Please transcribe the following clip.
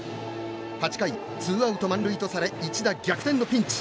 ８回、ツーアウト満塁とされ一打逆転のピンチ。